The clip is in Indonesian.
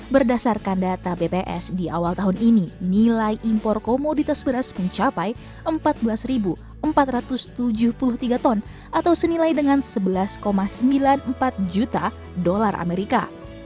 berdasarkan data bps di awal tahun ini nilai impor komoditas beras mencapai empat belas empat ratus tujuh puluh tiga ton atau senilai dengan sebelas sembilan puluh empat juta dolar amerika